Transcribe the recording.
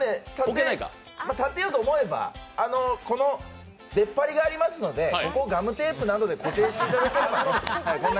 立てようと思えば出っ張りがありますので、ここをガムテープなどで固定していただければ。